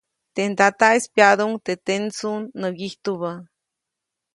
Teʼ ndataʼis pyaʼduʼuŋ teʼ tendsuŋ nä wyijtubä.